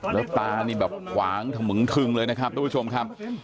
แล้วตานี่แบบขวางถมึงทึงเลยนะครับทุกผู้ชมครับ